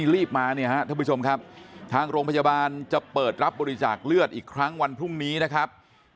รีบมาเนี่ยฮะท่านผู้ชมครับทางโรงพยาบาลจะเปิดรับบริจาคเลือดอีกครั้งวันพรุ่งนี้นะครับ